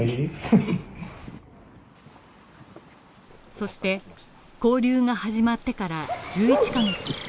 そして、勾留が始まってから１１ヶ月。